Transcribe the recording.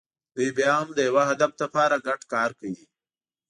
دوی بیا هم د یوه هدف لپاره ګډ کار کوي.